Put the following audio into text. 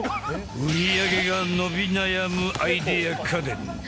売り上げが伸び悩むアイデア家電。